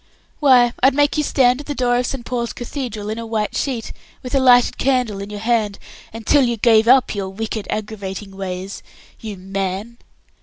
"Why, I'd make you stand at the door of St. Paul's Cathedral in a white sheet, with a lighted candle in your hand, until you gave up your wicked aggravating ways you Man!"